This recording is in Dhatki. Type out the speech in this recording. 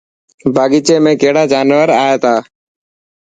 باغيچي ۾ ڪهڙا جانور اي تا.